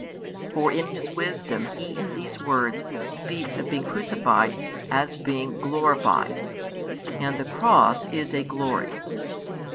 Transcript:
For in his wisdom he in these words speaks of being "crucified" as being "glorified:" and the Cross is a glory.